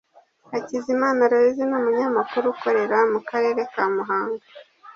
Hakizimana Aloys ni umunyamategeko ukorera mu Karere ka Muhanga